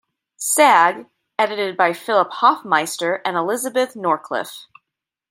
Sag, edited by Philip Hofmeister and Elisabeth Norcliffe.